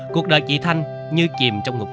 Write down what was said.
cuộc đời chị thanh như chìm trong ngục tối